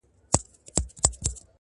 o چي ژرنده ئې گرځي، بلا ئې پر ځي٫